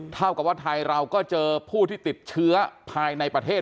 เท่ากับว่าไทยเราก็เจอผู้ที่ติดเชื้อภายในประเทศ